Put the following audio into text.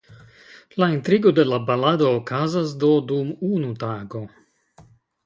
La intrigo de la balado okazas do dum unu tago.